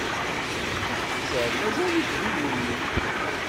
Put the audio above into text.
Aqettal mazal-it d ilelli.